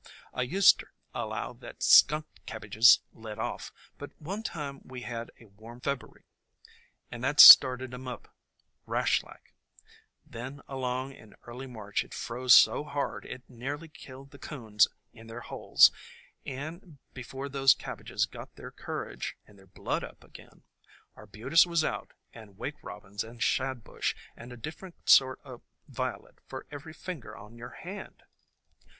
I us' ter allow that Skunk Cabbages led off, but one time we had THE COMING OF SPRING a warm Feb'ury and that started 'em up rash like ; then along in early March it froze so hard it nearly killed the 'coons in their holes, and be fore those cabbages got their courage and their RED WAKE ROBIN blood up again, Arbutus was out, and Wake Robins and Shadbush, and a different sort o' Violet for every finger on your hand!